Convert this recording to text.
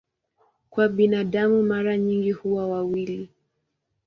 Kwa binadamu mara nyingi huwa wawili.